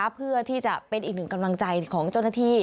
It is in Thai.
เพื่อที่จะเป็นอีกหนึ่งกำลังใจของเจ้าหน้าที่